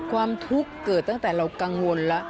ความทุกข์เกิดตั้งแต่เรากังวลแล้ว